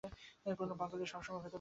কোনো পাগলই সেসময় ভেতরে যাবে।